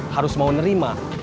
harus mau nerima